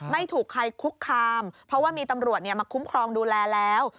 ไม่ถูกใครคุกคามเพราะว่ามีตำรวจมาคุ้มครองดูแลแล้ว